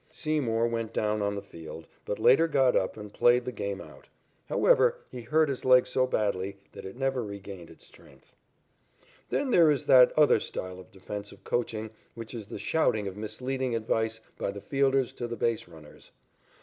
Seymour went down on the field, but later got up and played the game out. However, he hurt his leg so badly that it never regained its strength. Then there is that other style of defensive coaching which is the shouting of misleading advice by the fielders to the base runners.